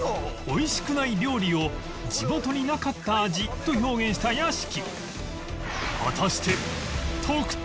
おいしくない料理を「地元になかった味」と表現した屋敷